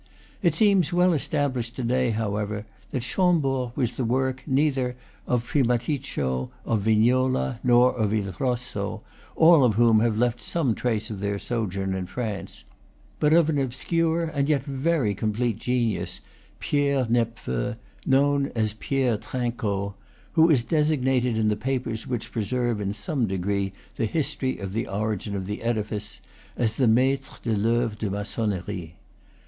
It seems well established to day, however, that Chambord was the work neither of Primaticcio, of Vignola, nor of Il Rosso, all of whom have left some trace of their sojourn in France; but of an obscure yet very complete genius, Pierre Nepveu, known as Pierre Trinqueau, who is designated in the papers which preserve in some degree the history of the origin of the edifice, as the _maistre de l'oeuvre de maconnerie.